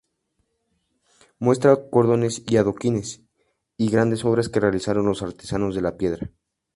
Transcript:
Muestra cordones y adoquines, y grandes obras que realizaron los artesanos de la piedra.